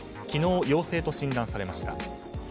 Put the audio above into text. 昨日陽性と診断されました。